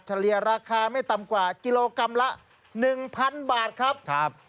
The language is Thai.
เลียราคาไม่ต่ำกว่ากิโลกรัมละ๑๐๐บาทครับ